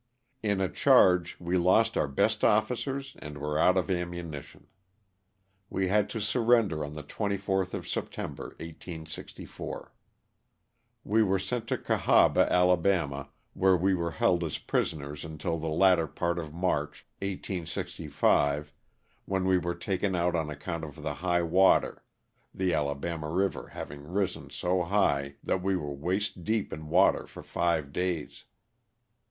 In a charge we lost our best officers and were out of ammunition. We had to surrender on the 24th of September, 1864. We were sent to Cahaba, Ala., where we were held as prisoners until the latter part of March, 1865, when we were taken out on account of the high water, the Alabama river having risen so high that we were waist deep in water for five days.